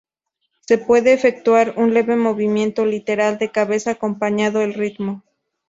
Se puede efectuar un leve movimiento lateral de cabeza acompañando el ritmo.